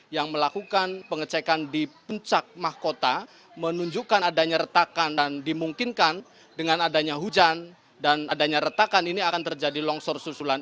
yang melakukan pengecekan di puncak mahkota menunjukkan adanya retakan dan dimungkinkan dengan adanya hujan dan adanya retakan ini akan terjadi longsor susulan